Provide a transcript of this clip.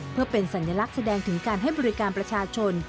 เพื่อเป็นสัญลักษณ์แสดงถึงการให้บริการประชาชน